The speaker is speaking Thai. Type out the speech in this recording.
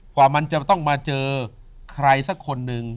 กว่ามันจะต้องมาเจอใครสักคนหนึ่ง